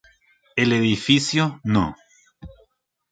El Edificio No.